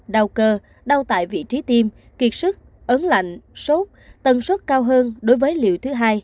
đau cơ đau tại vị trí tim kiệt sức ấn lạnh sốt tần suất cao hơn đối với liều thứ hai